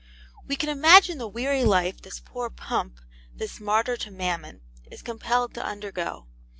We can imagine the weary life this poor Pump, this martyr to Mammon, is compelled to undergo.